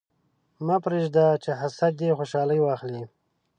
مه پرېږده چې حسد دې خوشحالي واخلي.